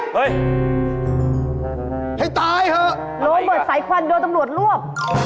ให้ตายเถอะอะไรกันครับโรงเบอร์สายควันเดี๋ยวตำรวจร่วบ